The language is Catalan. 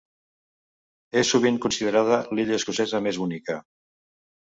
És sovint considerada l'illa escocesa més bonica.